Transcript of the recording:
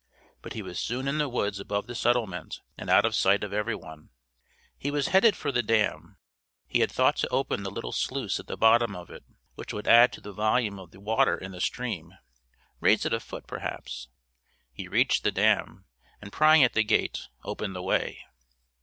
But he was soon in the woods above the settlement and out of sight of every one. He was headed for the dam. He had thought to open the little sluice at the bottom of it, which would add to the volume of the water in the stream raise it a foot, perhaps. He reached the dam, and prying at the gate, opened the way.